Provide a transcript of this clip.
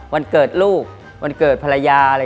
วันเกิดลูกวันเกิดภรรยาอะไร